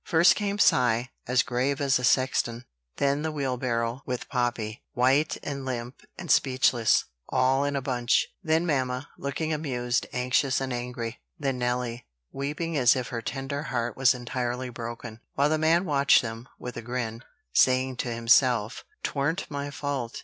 First came Cy, as grave as a sexton; then the wheelbarrow with Poppy, white and limp and speechless, all in a bunch; then mamma, looking amused, anxious and angry; then Nelly, weeping as if her tender heart was entirely broken; while the man watched them, with a grin, saying to himself: "Twarn't my fault.